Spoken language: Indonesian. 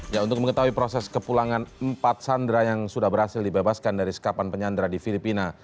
ya untuk mengetahui proses kepulangan empat sandera yang sudah berhasil dibebaskan dari sekapan penyandra di filipina